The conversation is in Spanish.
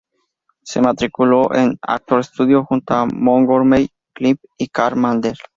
Se matriculó en The Actors Studio junto a Montgomery Clift y Karl Malden.